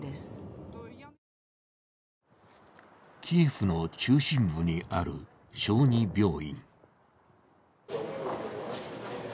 キエフの中心部にある小児病院。